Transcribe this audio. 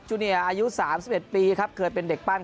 เนียอายุ๓๑ปีครับเคยเป็นเด็กปั้น